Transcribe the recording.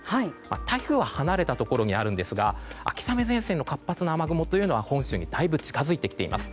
台風は離れたところにあるんですが秋雨前線の活発な雨雲は本州にだいぶ近づいてきています。